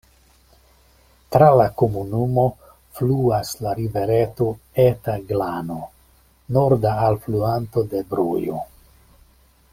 Tra la komunumo fluas la rivereto Eta Glano, norda alfluanto de Brojo.